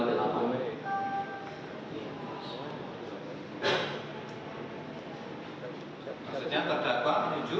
pada pukul enam belas empat belas tiga puluh terdakwa menuju ke meja lima puluh empat